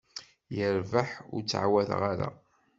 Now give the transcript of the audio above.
Yerbeḥ, ur ttɛawadeɣ ara.